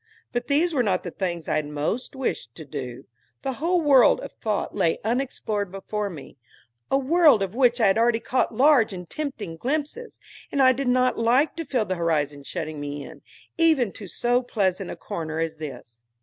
But these were not the things I had most wished to do. The whole world of thought lay unexplored before me, a world of which I had already caught large and tempting glimpses, and I did not like to feel the horizon shutting me in, even to so pleasant a corner as this.